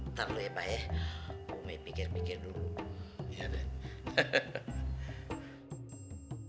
ntar dulu ya pak ya umi pikir pikir dulu